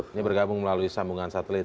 ini bergabung melalui sambungan satelit